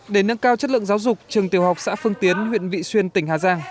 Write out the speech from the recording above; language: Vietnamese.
để nâng cao chất lượng giáo dục trường tiểu học xã phương tiến huyện vị xuyên tỉnh hà giang